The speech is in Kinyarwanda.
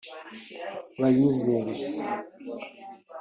Bayizere